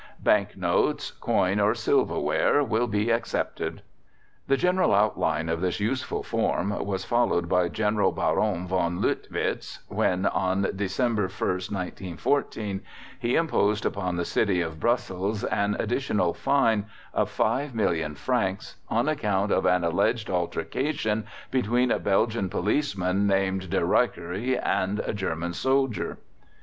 "Bank Notes, Coin, or Silverware will be accepted." The general outline of this useful form was followed by General Baron von Leutwitz when on November 1st, 1914, he imposed upon the City of Brussels "an additional fine of Five Million Francs" on account of an alleged altercation between a Belgian policeman, named De Ryckere, and a German soldier.